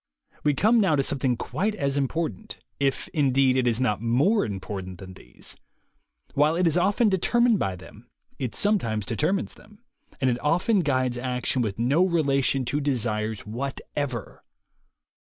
We come now to something quite as impor tant, if, indeed, it is not more important than these. While it is often determined by them, it sometimes determines them, and it often guides action with no relation to desires whatever.